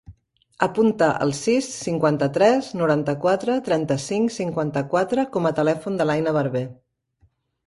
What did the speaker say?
Apunta el sis, cinquanta-tres, noranta-quatre, trenta-cinc, cinquanta-quatre com a telèfon de l'Aina Barber.